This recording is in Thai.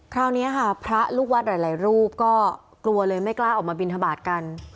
คราวนี้ค่ะพระลูกวัดหลายรูปก็กลัวเลยไม่กล้าออกมาบินทบาทกัน